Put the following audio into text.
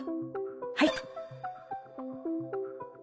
はい。